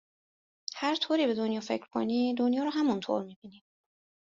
هر طوری به دنیا فکر کنی دنیا رو همونطور میبینی